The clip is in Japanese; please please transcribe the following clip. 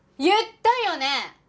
言ったよね？